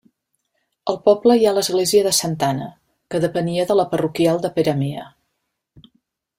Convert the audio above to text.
Al poble hi ha l'església de Santa Anna, que depenia de la parroquial de Peramea.